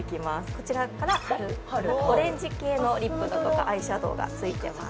こちらから春オレンジ系のリップだとかアイシャドウがついてます